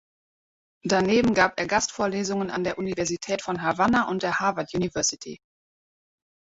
Daneben gab er Gastvorlesungen an der Universität von Havanna und der Harvard University.